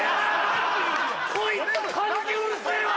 こいつ漢字うるせぇわ！